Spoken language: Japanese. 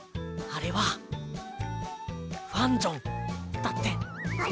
あれは「ファンジョン」だよ。